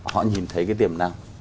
họ nhìn thấy cái tiềm năng